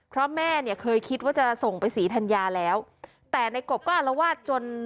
เพราะแม่เนี่ยเคยคิดว่าจะส่งไปศรีธัญญาแล้วแต่ในกบก็อารวาสจน